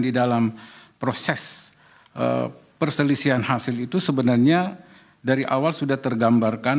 di dalam proses perselisihan hasil itu sebenarnya dari awal sudah tergambarkan